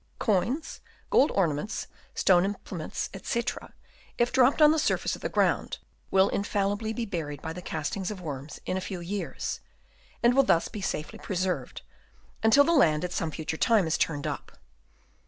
Coins, gold orna ments, stone implements, &c, if dropped on the surface of the ground, wall infallibly be buried by the castings of worms in a few years, and will thus be safely preserved, until the land at some future time is turned up.